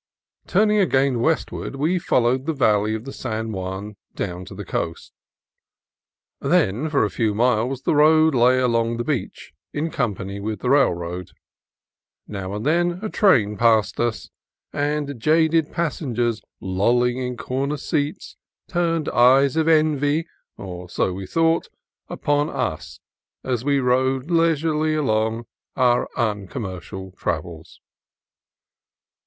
Turning again westward we followed the valley of the San Juan down to the coast. Then for a few miles the road lay along the beach, in company with the railroad. Now and then a train passed us, and jaded passengers lolling in corner seats turned eyes of envy (or so we thought) upon us as we rode leisurely along on our uncommercial travels.